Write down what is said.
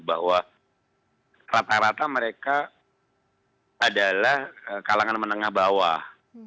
bahwa rata rata mereka adalah kalangan menengah bawah